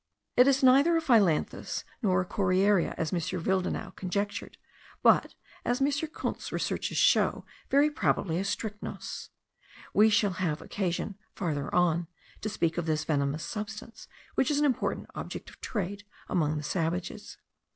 It is neither a phyllanthus, nor a coriaria, as M. Willdenouw conjectured, but, as M. Kunth's researches show, very probably a strychnos. We shall have occasion, farther on, to speak of this venomous substance, which is an important object of trade among the savages.